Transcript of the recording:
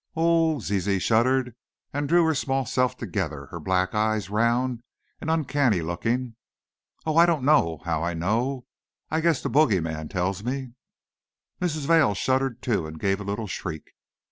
"Ooh!" Zizi shuddered, and drew her small self together, her black eyes round and uncanny looking; "ooh! I donno how I know! I guess the bogie man tells me!" Mrs. Vail shuddered too, and gave a little shriek.